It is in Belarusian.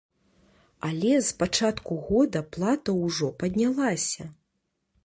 Але з пачатку года плата ўжо паднялася!